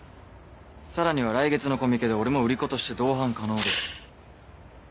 さらには来月のコミケで俺も売り子として同伴可能です。